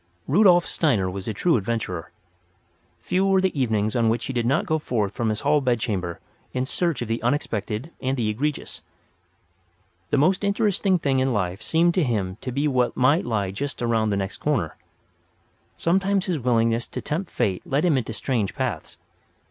Rudolf Steiner was a true adventurer. Few were the evenings on which he did not go forth from his hall bedchamber in search of the unexpected and the egregious. The most interesting thing in life seemed to him to be what might lie just around the next corner. Sometimes his willingness to tempt fate led him into strange paths.